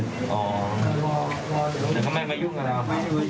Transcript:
อ๋อแต่ก็ไม่มายุ่งกับเรา